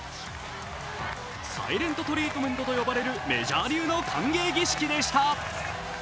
サイレント・トリートメントと呼ばれるメジャー流の歓迎儀式でした。